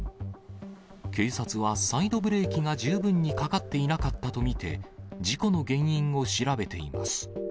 警察は、サイドブレーキが十分にかかっていなかったと見て、事故の原因を調べています。